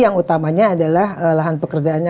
yang utamanya adalah lahan pekerjaannya